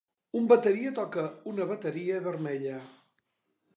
Un bateria toca una bateria vermella.